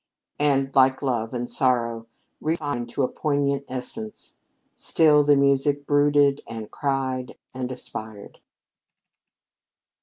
And like love and sorrow, refined to a poignant essence, still the music brooded and cried and aspired.